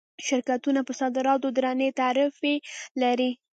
شرکتونه پر صادراتو درنې تعرفې لري.